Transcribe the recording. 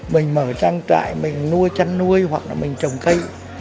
mình mở trang trại mình nuôi chăn nuôi hoặc là mình trồng cây